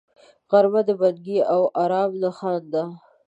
غرمه د بندګۍ او آرام نښانه ده